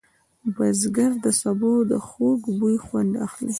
بزګر د سبو د خوږ بوی خوند اخلي